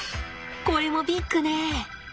これもビッグね。